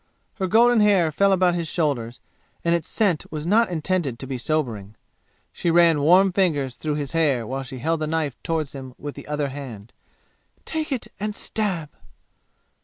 Her golden hair fell all about his shoulders, and its scent was not intended to be sobering. She ran warm fingers through his hair while she held the knife toward him with the other hand. "Take it and stab!"